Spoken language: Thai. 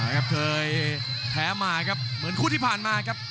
ครับเคยแพ้มาครับเหมือนคู่ที่ผ่านมาครับ